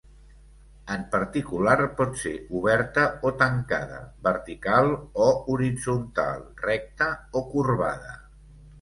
En particular, pot ser oberta o tancada, vertical o horitzontal, recta o corbada.